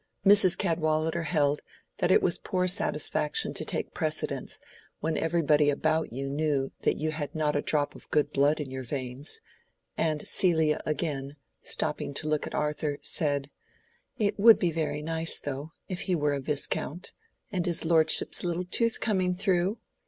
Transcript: Mrs. Cadwallader held that it was a poor satisfaction to take precedence when everybody about you knew that you had not a drop of good blood in your veins; and Celia again, stopping to look at Arthur, said, "It would be very nice, though, if he were a Viscount—and his lordship's little tooth coming through!